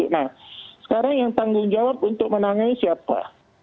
nah sekarang yang tanggung jawab untuk menangani siapa